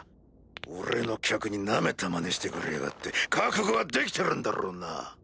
俺の客にナメたまねしてくれやがって覚悟はできてるんだろうな？